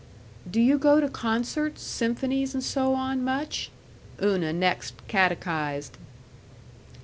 "Do you go to concerts, symphonies, and so on, much?" Una next catechized.